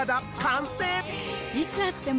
いつ会っても。